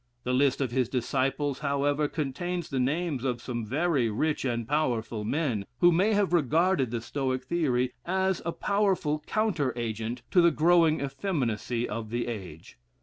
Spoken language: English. The list of his disciples, however, contains the names of some very rich and powerful men, who may have regarded the Stoic theory as a powerful counter agent to the growing effeminacy of the age.